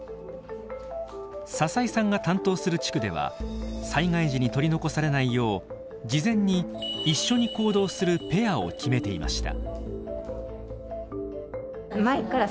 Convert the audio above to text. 笹井さんが担当する地区では災害時に取り残されないよう事前に一緒に行動するペアを決めていました。